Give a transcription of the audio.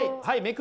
はい。